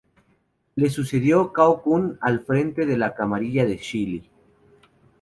Le sucedió Cao Kun al frente de la camarilla de Zhili.